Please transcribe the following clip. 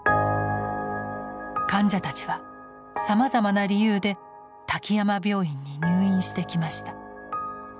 患者たちはさまざまな理由で滝山病院に入院してきました。